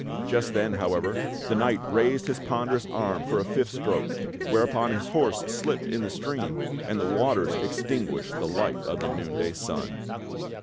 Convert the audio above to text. Just then, however, the knight raised his ponderous arm for a fifth stroke, whereupon his horse slipped in the stream, and the waters extinguished the light of the Noonday Sun.